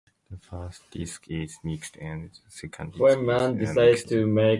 The first disc is mixed and the second disc is unmixed.